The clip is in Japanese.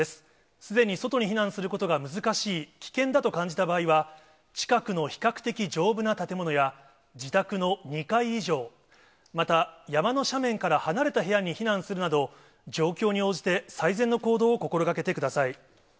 すでに外に避難することが難しい、危険だと感じた場合は、近くの比較的丈夫な建物や、自宅の２階以上、また山の斜面から離れた部屋に避難するなど、状況に応じて最善の行動を心がけてください。